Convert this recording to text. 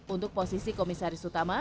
untuk posisi komisaris utama